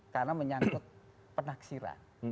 karena menyangkut penaksiran